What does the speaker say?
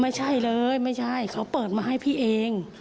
ไม่ใช่เลยไม่ใช่เขาเปิดมาให้พี่เอง